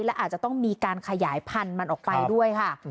และอาจจะต้องมีการขยายพันธุ์มันออกไปด้วยค่ะ